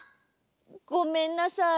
ごめんなさい。